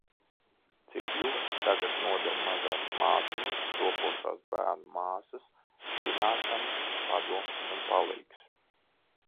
Cik ļoti tagad noder mazās māsiņas, topošās bērnu māsas zināšanas, padoms un palīgs.